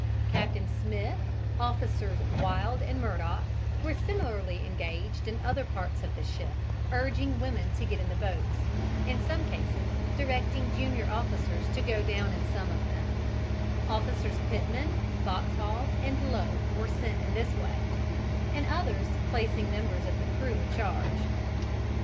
Captain Smith, Officers Wilde and Murdock were similarly engaged in other parts of the ship, urging women to get in the boats, in some cases directing junior officers to go down in some of them, Officers Pitman, Boxhall, and Lowe were sent in this way, in others placing members of the crew in charge.